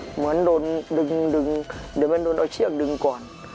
เหมือนโดนดึงเดี๋ยวมันโดนเอาเชือกดึงก่อน